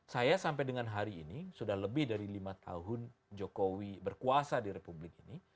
saya sampai dengan hari ini sudah lebih dari lima tahun jokowi berkuasa di republik ini